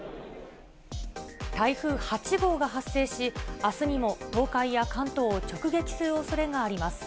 台風８号が発生し、あすにも東海や関東を直撃するおそれがあります。